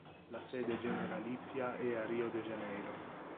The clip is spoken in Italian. La sede generalizia è a Rio de Janeiro.